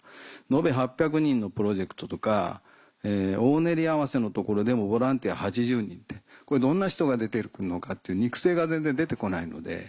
延べ８００人のプロジェクトとか大撚り合わせの所でもボランティア８０人ってこれどんな人が出てるのかって肉声が全然出て来ないので。